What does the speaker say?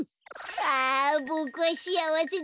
ああボクはしあわせだな。